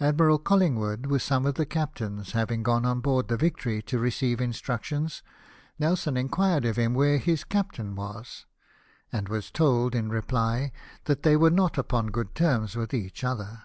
Admiral CoUingwood, with some of the cap tains, having gone on board the Victory to receive instructions, Nelson inquired of him where his cap tain was ? and was told, in reply, that they were not upon good terms with each other.